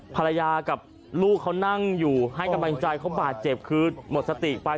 ภรรยากับลูกเขานั่งอยู่ให้กำลังใจเขาบาดเจ็บคือหมดสติไป